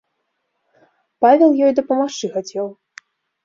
Павел ёй дапамагчы хацеў.